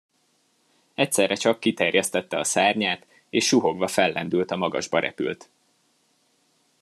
Egyszerre csak kiterjesztette a szárnyát, és suhogva fellendült a magasba repült!